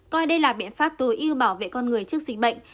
coi đây là biện pháp tối ưu bảo vệ con người trước dịch bệnh